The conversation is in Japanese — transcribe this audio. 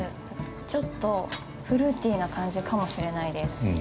ちょっとフルーティーな感じかもしれないです。